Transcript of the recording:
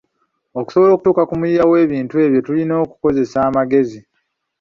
Okusobola okutuuka ku muyiiya w’ebintu ebyo tulina kukozesa magezi